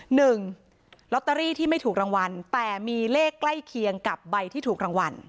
หนึ่งลอตเตอรี่ที่ไม่ถูกรางวัลแต่มีเลขใกล้เคียงกับใบที่ถูกรางวัล